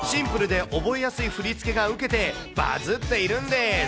シンプルで覚えやすい振り付けが受けて、バズっているんです。